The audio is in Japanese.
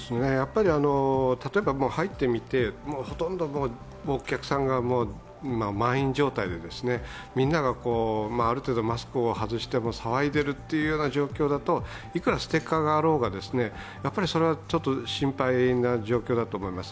例えば入ってみてほとんどお客さんが満員状態でですね、みんながある程度マスクを外して騒いでいるというような状況だといくらステッカーがあろうがそれは心配な状況だろうと思います。